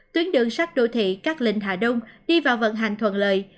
tuyến đường sát đô thị cát linh hạ đông đi vào vận hành thuận lợi